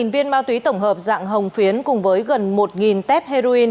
ba viên ma túy tổng hợp dạng hồng phiến cùng với gần một tép heroin